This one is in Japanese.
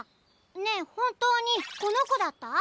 ねえほんとうにこのこだった？